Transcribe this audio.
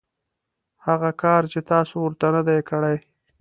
هغه کار چې تاسو ورته نه دی کړی .